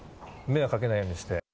迷惑かけないようにして。